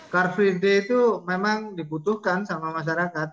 car free day itu memang dibutuhkan sama masyarakat